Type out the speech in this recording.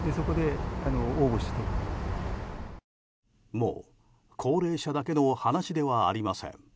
もう高齢者だけの話ではありません。